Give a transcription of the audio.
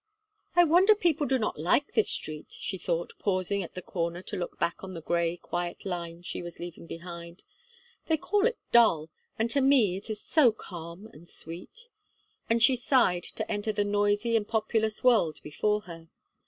"I wonder people do not like this street," she thought, pausing at the corner to look back on the grey, quiet line she was leaving behind. "They call it dull, and to me it is so calm and sweet." And she sighed to enter the noisy and populous world before her.